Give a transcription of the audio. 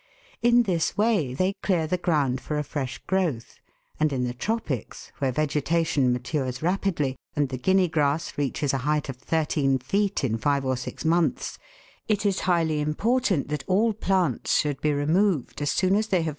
In this way they clear the ground for a fresh growth ; and in the tropics, where vegetation matures rapidly, and the Guinea grass reaches a height of thirteen feet in five or six months, it is highly important that all plants should be removed as soon as they have 198 THE WORLD'S LUMBER ROOM.